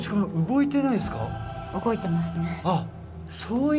動いてますね。